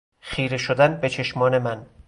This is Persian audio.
خیره شدن به چشمان من